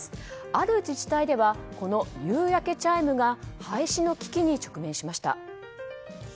ある自治体ではこの夕焼けチャイムが廃止の危機に直面しました。